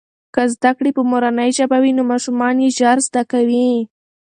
که زده کړې په مورنۍ ژبه وي نو ماشومان یې ژر زده کوي.